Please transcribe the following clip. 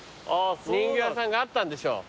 人形屋さんがあったんでしょう。